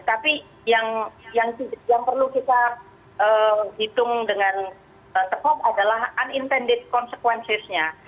tapi yang perlu kita hitung dengan tepuk adalah unintended consequences nya